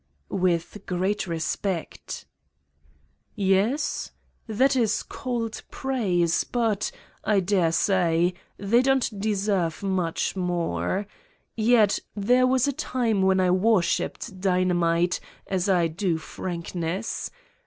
"With great respect." 1 1 Yes ? That is cold praise, but, I dare say, they don't deserve much more. Yet, there was a time when I worshiped dynamite as I do frankness